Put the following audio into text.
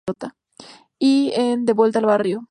Y en "De vuelta al barrio".